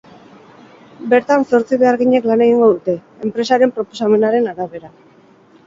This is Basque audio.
Bertan zortzi beharginek lan egingo dute, enpresaren proposamenaren arabera.